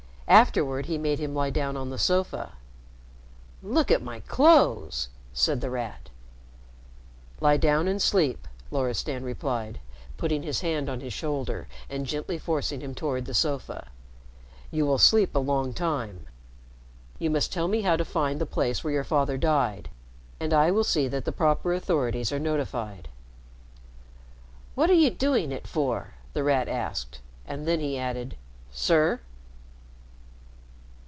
Afterward he made him lie down on the sofa. "Look at my clothes," said The Rat. "Lie down and sleep," Loristan replied, putting his hand on his shoulder and gently forcing him toward the sofa. "You will sleep a long time. You must tell me how to find the place where your father died, and I will see that the proper authorities are notified." "What are you doing it for?" The Rat asked, and then he added, "sir."